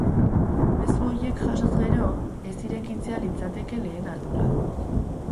Mezu horiek jasoz gero, ez irekitzea litzateke lehen ardura.